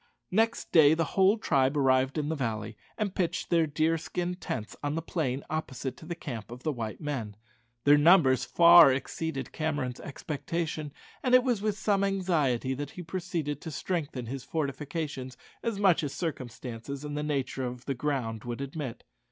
Next day the whole tribe arrived in the valley, and pitched their deerskin tents on the plain opposite to the camp of the white men. Their numbers far exceeded Cameron's expectation, and it was with some anxiety that he proceeded to strengthen his fortifications as much as circumstances and the nature of the ground would admit.